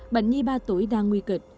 bệnh nhi ba tuổi đang nguy kịch